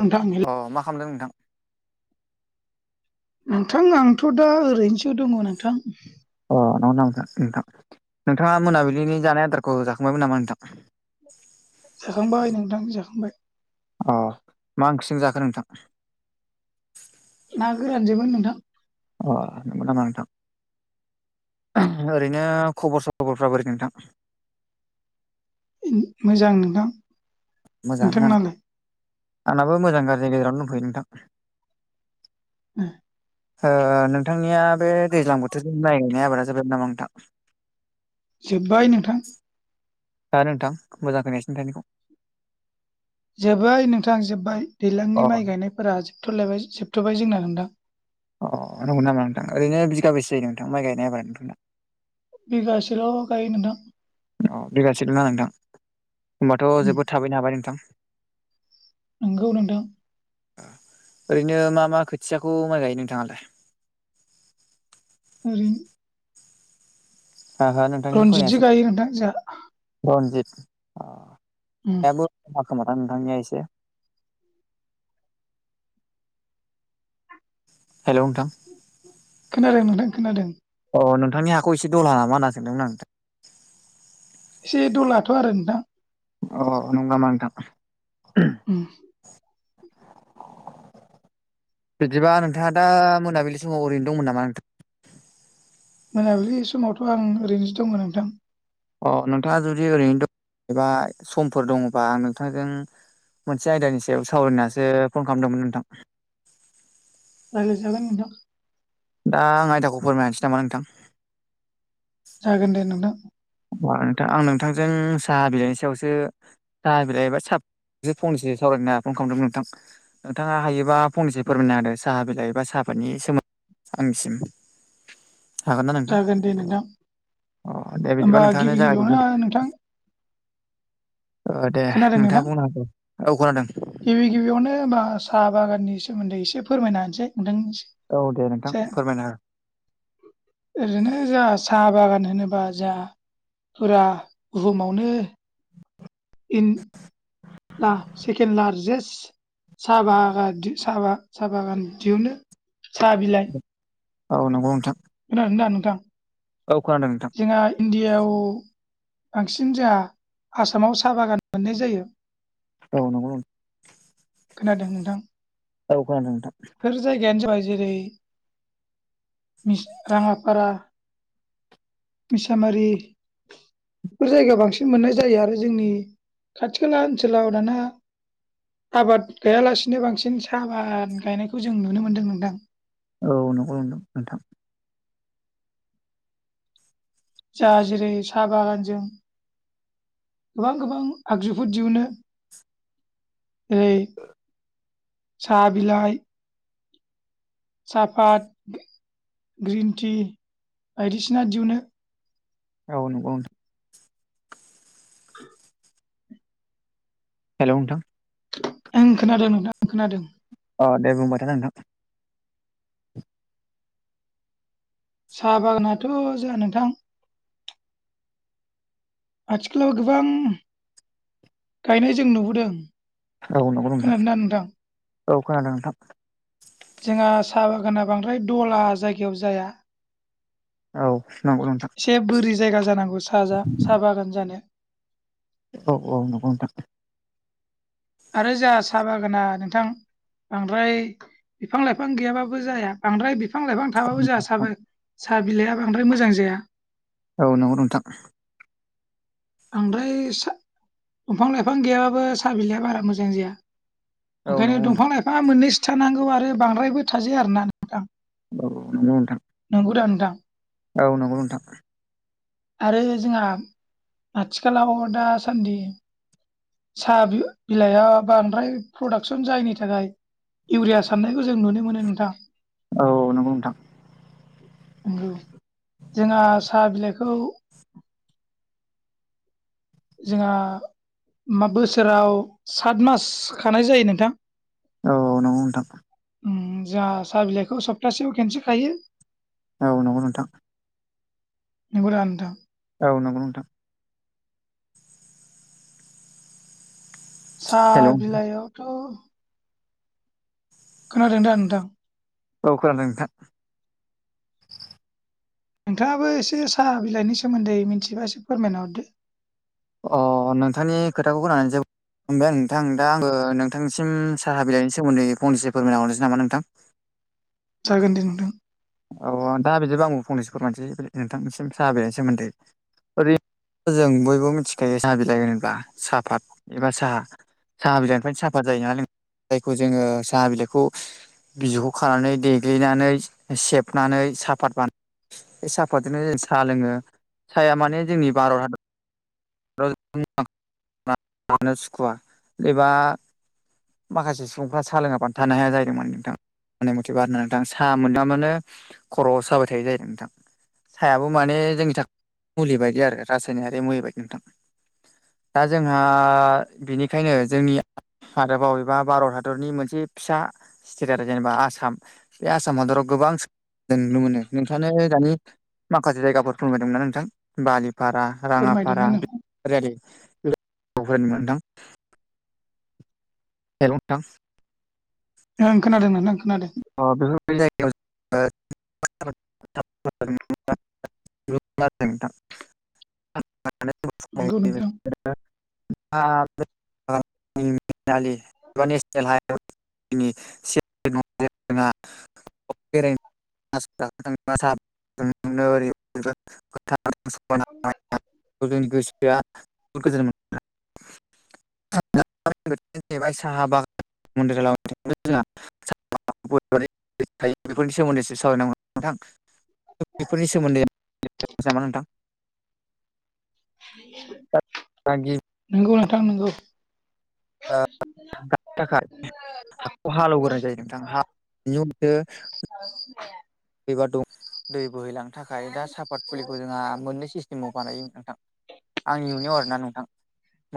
नोंथां हेल अ [unintelligible] मा खालामदों नोंथां नोंथां आंथ दा ओरैनोसो दङ नोंथां। अ नंगौ नामा नोंथां नोंथां नोंथाङा मोनाबिलिनि जानाय आदारखौ जाखांबायमोन नामा नोंथां? जाखांबाय नोंथां जाखांबाय। अ मा ओंखजों जाखो नोंथां। ना गोरानसोमोन नोंथां। अ नंगौ नामा नोंथां ओरैनो खबर सबरफ्रा बोरै नोंथां? मोजां नोंथां? मोजाङानो ना नोंथांनालाय आंनाबो मोजां गाज्रि गेजेरावनो दंथयो नोंथां। उम। ओ नोंथांनिया बे दैज्लां बोथोरनि माइ गायनाय आबादा जाबाय नामा नोंथां? जोबबाय नोंथां। हा नोंथां मोजां फैनायसै नोंथांनिखौ जोबबाय नोंथां जोबबाय अ दैज्लांनि माइ गायनायफोरा जोबथलायबाय जोबथबाय जोंना नोंथां? अ नंगौ नामा नोंथां ओरैनो बिघाबैसे जायो नोंथां माइ गायनाय आबादा नोंथांना। बिगासेल गायो नोंथां। अ बिघासेलना नोंथां हबाथ उम जोबोद थाबैनो हाबाय नोंथां। नंगौ नोंथां। ओरैनो मा मा खोथियाखौ माइ गायो नोंथाङालाय। रिं नोंथां। रनजित जि गायो नोंथां जोंहा रनजित उम दाबो खोमाथां नोंथांनिया एसे हेल' नोंथां। खोनादों नोंथां खोनादों। अ नोंथांनि हाखौ एसे दलला नामा होनना सोंदोंमोन नोंथां। एसे द' लाथ' आरो नोंथां। अ नंगौ नोंथां। [inaudible] बिदिबा नोंथाङा दा मोनाबिलि समाव ओरैनो दंमोन नामा नोंथां? मोनाबिलि समावथ' आं ओरैनोसो दङ नोंथां। अ नोंथाङा जुदि ओरैनो दंबा एबा समफोर दङबा आं नोंथांजों मोनसे आयदानि सायाव सावरायनासो फन खालामदोंमोन नोंथां। रायाजागोन नोंथां। दा आं आयदाखौ फोरमाय हानोसै नामा नोंथां? जागोन दे नोंथां। नोंथां आं नोंथांजों साहा बिलाइनि सायावसो साहा बिलइबबाय साबसे फंनैसो सावरायनो फन खालामदोंमोन नोंथां। नोंथाङा हायोबा फंनैसेो फोरमायनो हदो साहा बिलाइबा साहाफोरनि सोमोन्दै आंनिसिम [inaudible] नोंथां जागोन दे नोंथां अ दे बिदिबा होमबा नोंथाङानो गिबि जागायजेनदो गिबियावनो नोंथां। अ दे खोनादों नोंथाङा नोंथां बुंनो हागौ औ खोनादों। गिबि गिबियावनो हबा साहा बागाननि सोमोन्दै एसे फोरमायनो होनसै नोंथांनि औ दे नोंथां फोरमायना हो ओरैनो जाों साहा बागान होनोबा जों फुरा बुहुमावनो इन ला सेकेणड लार्जेस्ट साहा बागान साह साहा बागान दिहनो साहा बिला औ नंगौ नोंथां। खोनादों ना नोंथां? औ खोनादों नोंथां। जोंहा इण्डियायाव बांसिन जोंहा आसामाव साहा बागान मोननाय जायो औ नंगौ खोनादों नोंथां औ खोनादों नोंथां बेफोर जायगायानो जाबाय जेरै राङाफारा मिसामारि बेफोर जायगायाव बांसिन मोननाय जायो आरो जोंनि खाथि खाला ओनसोलाव दाना आबाद गैयालासिनो बांसिन साहा आबाद गायनायखौ जों नुनो मोन्दों नोंथां औ नंगौ [unintelligible] नोंथां जा जेरै साहा बागानजों गोबां गोबां आगजुफोर दिहुनो जेरै साहा बिलाइ साफात ग्रिन टि बायदिसिना दिहुनो औ नंगौ नंगौ हेलौ नोंथां आं खोनादों नोंथां आं खोनादों अ दे बुंबायथा नोंथां साहा बागानाथ' जोंहा नोंथां आथिखालाव गोबां गायनाय जों नुबोदों औ नंगौ नोंथां औ खोनादों नोंथां जोंहा साहा बागाना बांद्राय दला जायगायाव जाया औ नांगौ नोंथां एसे बोरि जायगा जानांगौ साहा साहा बागान जानो औ औ नंगौ नोंथां आरो जोंहा साहा बागाना नोंथां बांद्राय बिफां लाइफां गैयाबाबो जाया बांद्राय बिफां लाइफां थाबाबो जों साह साहा बिलाइआ बांद्राय मोजां जाया औ नंगौ नोंथां बांद्राय दंफां लाइफां गैयाबाबो साहा बिलाइआ बारा मोजां जाया औ नंगौ नोंथां ओंखायनो दंफां लाइफाङा मोननैसो थानांगौ आरो बांद्रायबो थाजाया आरोना नोंथां औ नंगौ नोंथां नंगौ दा नोंथां औ नंगौ नोंथां आरो जोंहा आथिखलााव दासान्दि साहा बिलाइआ बा बांद्राय प्रदाक्सन जायैनि थाखाय इउरिया सारनायखौ जों नुनो मोनो नोंथां औ नंगौ नोंथां नंगौ जोंहा साहा बिलाइखौ जोंहा मा बोसोराव सात मास खानाय जायो नोंथां औ औ नंगौ नोंथां जोंहा साहा बिलाइखौ सप्तासेयाव खेनसे खायो औ नंगौ नोंथां नंगौ दा नोंथां औ नंगौ नोंथां हेल' साहा बिलाइआवथ' खोनादों दा नोंथां औ खोनादों नोंथां नोंथाङाबो एसे साहा बिलाइनि सोमोन्दै मिथिबा एसे फोरमायना हरदो अ नोंथांनि खोथाखौ खोनानो जोबोद फ्राय नोंथां दा आङो नोंथांसिम साहा बिलाइनि सोमोन्दै फंनैसो फोरमायना हरनोसै नामा नोंथां जागोन दे नोंथां अ दा बिदिबा आंबो फंनैसो फोरमानोसै नोंथांनिसिम साहा बेनि सोमोन्दै ओरै जों बयबो मिथिखायो साहा बिलाइ होनोबा साफात एबा साहा। साहा बिलाइनिफ्रायनो साफात जायो नालाय जायखौ जोङो साहा बिलाइखौ बिजौखौ खानानै देग्लिनानै सेबनानै साफात बाना बे साफादजोंनो जों साहा लोङो। साया माने जोंनि भारत हादर [unintelligible] माखासे सुबुंफ्रा सा लोङाबानो थानो हाया जाहैदों माने नोंथां आंनि मथेबा आरना नोंथां साहा मोनलोङाबानो खर' साबाय थायो जाहैदों नोंथां। सायाबो माने जोंनि थाखाय मुलि बायदि आरो रासायनारि मुलि बायदि नोंथां। दा जोंहा बेनिखायनो जोंनि आरोबाव बबेबा भारत हादरनि मोनसे फिसा स्टेट आरो जेनेबा आसाम बे आसाम हादराव गोबां नुनो मोनो। नोंथांआनो दानि माखासे जायगाफोर बुंबाय दंमोन ना नोंथां। बालिपारा राङाफारा फोरमायदोंमोन नों बेफोर ओरै होनो नोंथां। हेल' नोंथां। ओं खोनादों नोंथां खोनादों। अ बेफोरबादि जायगायाव जोङो [unintelligible] नंगौ नोंथां [unintelligible] [unintelligible] [unintelligible] [unintelligible] [unintelligible] जोंनि गोसोआ जोबोद गोजोन मोनो। [unintelligible] बेफोरनि सोमोन्दैसो सावरायनांगौ नोंथां। बेफोरनि सोमोन्दै सावरायनो नामा नोंथां। [unintelligible] [unintelligible] नोंगौ नोंथां नोंगौ। [unintelligible] [unintelligible] बेबा दं दै बोहैलांनो थाखाय दा साफात फुलिखौ जोंहा मोननैसो सिस बानायो नोंथां आंनि नुनायाव आरो ना नोंथां।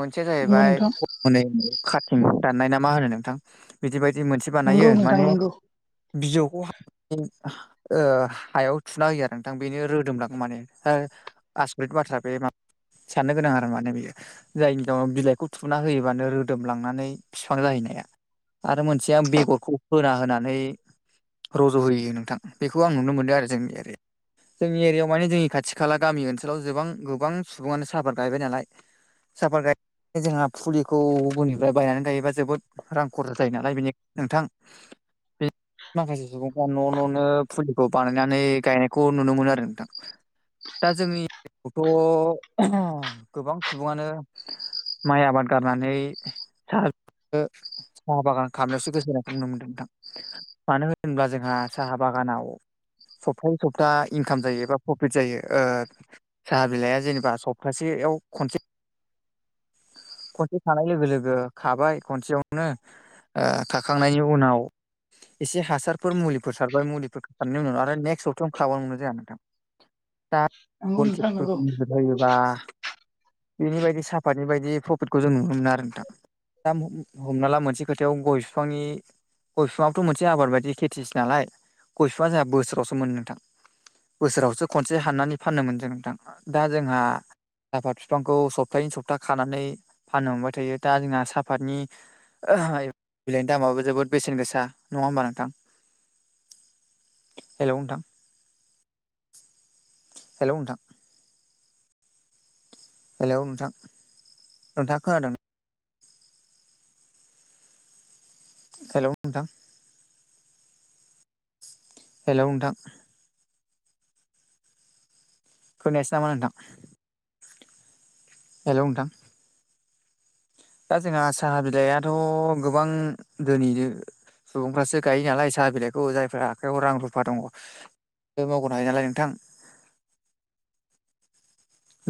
मोनसेया नंगौ जाहैबाय नोंथां हनै खाथिं दाननाय ना मा होनो नोंथां बिदि बायदि मोनसे बानायो नंगौ नोंथां माने नंगौ बिजौखौ हास हायाव थुना होयो आरो नोंथां बेनो रोदोमलाङो माने। आसरित बाथ्रा बे साननो गोनां आरो माने बियो। जायनियानाव बिलाइखौ थुना होयोबानो रोदोमलांनानै फिफां जाहैनाया। आरो मोनसेया बेगरखौ होना होनानै रज' होयो नोंथां। बेखौ आं नुनो मोनदों आरो जोंनि ओरै। जोंनि एरियायाव माने जोंनि खाथि खाला गामि ओनसोलाव जोबां गोबां सुबुङानो साफाद गायबाय नालाय। साफाद गाय जोंहा फुलिखौ गुबननिफ्राय बायनानै गायोबा जोबोद रां खरहा जायो नालाय बेनिखायनो नोंथां। बे माखासे सुबुंफ्रा न' न' नो फुलिखौ बानायनानै गायनायखौ नुनो मोनो आरो नोंथां। दा जोंनि थ' गोबां सुबुङानो माइ आबाद गारनानै साहा साहा बागान खालामनायावसो गोसो होनायखौ नुनो मोनदों नोंथां। मानो होनोब्ला जोंहा साहा बागानाव सप्तायै सप्ता इनकाम जायो एबा प्रफिट जायो। ओ साहा बिलाइआ जेनेबा सप्तासेयाव खनसे खनसे खानाय लोगो लोगो खाबाय खनसेयावनो ओ खाखांनायनि उनाव एसे हासारफोर मुलि फोर सारबाय मुलिफोर सारनायनि उनाव आरो नेक्स सबथायावनो खाबावनो मोनो जोंहा नोंथां। दा [unintelligible] नंगौ फोर नोंथां नंगौ मुलि होद्रायोबा बिनि बायदि साफातनि बायदि प्रफिटखौ जों नुनो मोना आरो नोंथां। दा हमना ला मोनसे खोथायाव गय फिफांनि गय फिफाङाबोथ' मोनसे आबाद बायदि खेथि नालाय गय फिफाङा जोंहा बोसोरावसो मोनो नोंथां। बोसोरावसो खनसे हाननानै फानोमोन जों नोंथां दा जोंहा साफात बिफांखौ सप्तायैनो सप्ता खानानै फाननो मोनबाय थायो दा जोंहा सापातनि बिलाइनि दामाबो जोबोद बेसेन गोसा नङा होमबा नोंथां? हेलौ नोंथां हेलौ नोंथां हेलौ नोंथां नोंथाङा खोनादों हेलौ नोंथां हेलौ नोंथां खोनायासै नामा नोंथां? हेलौ नोंथां दा जोंहा साहा बिलाइथ गोबां धोनि सुबुंफ्रासो गायो नालाय साहा बिलाइखौ जायफ्रा आखाइयाव रां रुफा दङ मावनो हायो नालाय नोंथां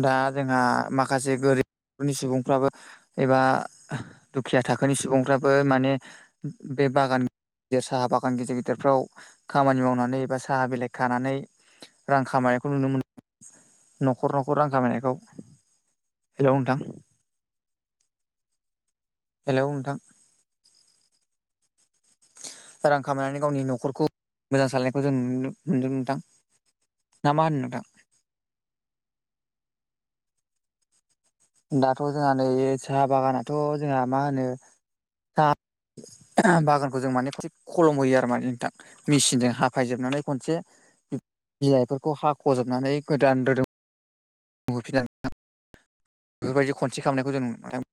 दा जोंहा माखासे गोरिबनि सुबुंफ्राबो एबा दुखिया थाखोनि सुबुंफ्राबो माने बे बागान गिदिर साहा बागान गिदिर गिदिरफ्राव खामानि मावनानै बा साहा बिलाइ खानानै रां खामायनायखौ नुनो मोनो। न'खर न'खर रां खामायनायखौ हेलौ नोंथां हेलौ नोंथां रां खामायनानै गावनि न'खरखौ मोजां सालनायखौ जों नुनो नुदों नोंथां। ना मा होनो नोंथां? दाथ जोंहा नै साहा बागानाथ जोंहा मा होनो साहा बागानखौ जों माने थिग खलम होयो आरो माने नोंथां मेसिनजों हाफायजोबनानै खनसे बिलाइफोरखौ हाख'जोबनानै गोदान रोदोम होफिनना बेफोरबायदि खनसे खालामनायखौ जों नुनो।